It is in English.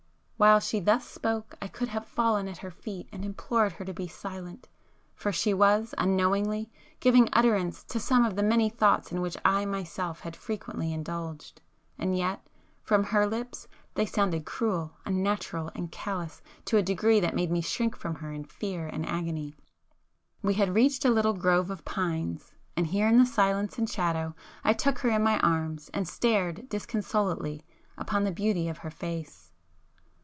While she thus spoke, I could have fallen at her feet and implored her to be silent. For she was, unknowingly, giving utterance to some of the many thoughts in which I myself had frequently indulged,—and yet, from her lips they sounded [p 309] cruel, unnatural, and callous to a degree that made me shrink from her in fear and agony. We had reached a little grove of pines,—and here in the silence and shadow I took her in my arms and stared disconsolately upon the beauty of her face.